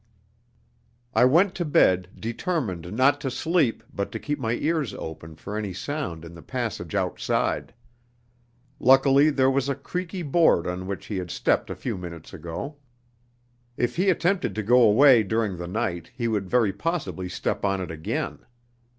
I went to bed determined not to sleep, but to keep my ears open for any sound in the passage outside. Luckily there was a creaky board on which he had stepped a few minutes ago. If he attempted to go away during the night he would very possibly step on it again.